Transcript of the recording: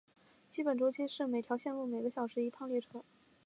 基本周期是每条线路每个小时一趟列车。